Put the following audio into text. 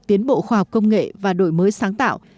tiến bộ khoa học công nghệ và đổi mới sáng tạo